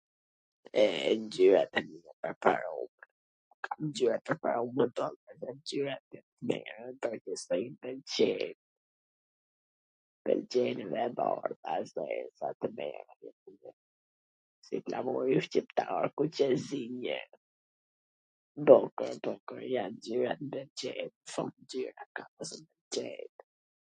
E, ngjyrat e preferume. Ngjyra t preferume boll ... e bardha, e verdha, flamuri shqiptar kuq e zi njw, bukur, bukur, jan ngjyrat qw m pwlqejn shum, ngjyra ...